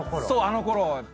あのころ。